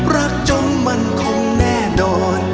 รักจนมันคงแน่นอน